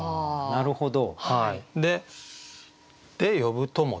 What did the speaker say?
なるほど。